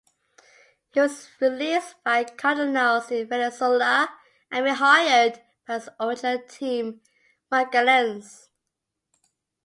He was released by Cardenales in Venezuela, and rehired by his original team, Magallanes.